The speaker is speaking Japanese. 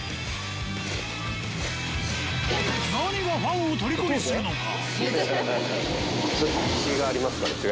何がファンを虜にするのか？